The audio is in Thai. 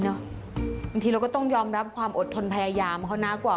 บางทีเราก็ต้องยอมรับความอดทนพยายามเขานะกว่า